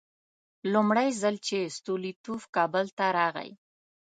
لومړی ځل چې ستولیتوف کابل ته راغی.